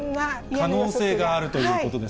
可能性があるということです